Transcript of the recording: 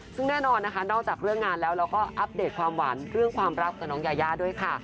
ซึ่งแน่นอนนะคะนอกจากเรื่องงานแล้วเราก็อัปเดตความหวานเรื่องความรักกับน้องยายาด้วยค่ะ